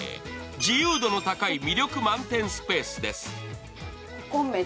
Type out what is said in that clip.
自由度の高い魅力満点スペースです。